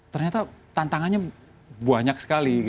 ternyata tantangannya banyak sekali